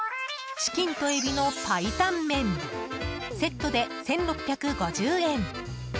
チキンと海老の白湯麺セットで１６５０円。